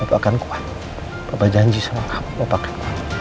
hai apa kan kuat apa janji sama kamu pakai